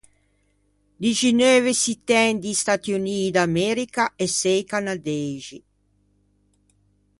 Dixineuve çittæn di Stati Unii d’America e sëi canadeixi.